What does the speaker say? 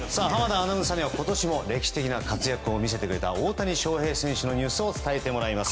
アナウンサーには今年も歴史的な活躍を見せてくれた大谷翔平選手のニュースを伝えてもらいます。